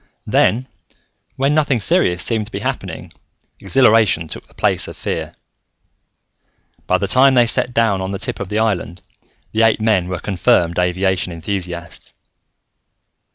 Then, when nothing serious seemed to be happening, exhilaration took the place of fear. By the time they set down on the tip of the island, the eight men were confirmed aviation enthusiasts.